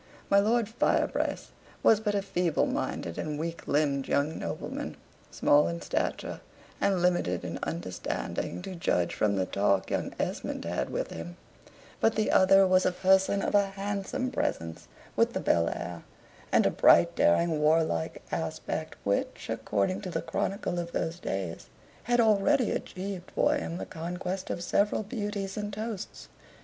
My Lord Firebrace was but a feeble minded and weak limbed young nobleman, small in stature and limited in understanding to judge from the talk young Esmond had with him; but the other was a person of a handsome presence, with the bel air, and a bright daring warlike aspect, which, according to the chronicle of those days, had already achieved for him the conquest of several beauties and toasts.